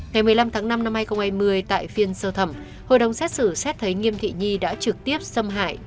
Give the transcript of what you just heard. ngày một mươi năm tháng năm năm hai nghìn hai mươi tại phiên sơ thẩm hội đồng xét xử xét thấy nghiêm thị nhi đã trực tiếp xâm hại